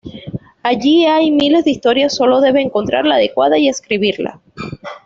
Allí hay miles de historias, solo debe encontrar la adecuada y escribirla.